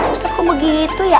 ustaz kok begitu ya